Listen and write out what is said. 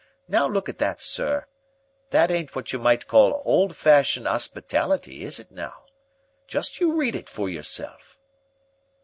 Now look at that, sir. That ain't what you might call old fashioned 'ospitality, is it now? Just you read it for yourself."